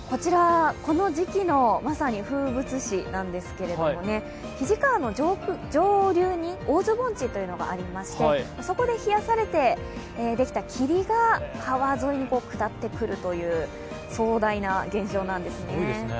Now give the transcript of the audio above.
この時期のまさに風物詩なんですけれども、肱川の上流に盆地がありましてそこで冷やされてできた霧が川沿いに下ってくるという壮大な現象なんです。